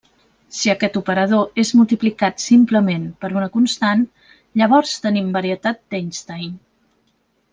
Si aquest operador és multiplicat simplement per una constant, llavors tenim varietat d'Einstein.